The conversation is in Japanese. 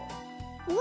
うわ！